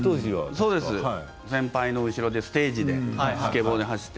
先輩のステージでスケボーで走って。